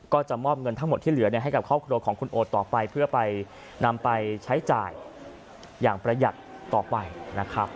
ก็จะมอบเงินทั้งหมดที่เหลือให้กับครอบครัวของคุณโอดต่อไปเพื่อไปนำไปใช้จ่ายอย่างประหยัดต่อไปนะครับ